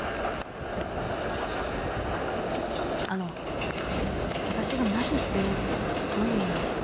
あの私が麻痺してるってどういう意味ですか？